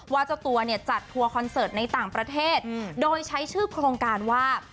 เจ้าตัวเนี่ยจัดทัวร์คอนเสิร์ตในต่างประเทศโดยใช้ชื่อโครงการว่า